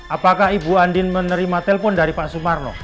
apakah ibu andin menerima telpon dari pak sumarno